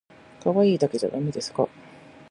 かわいいだけじゃだめですか？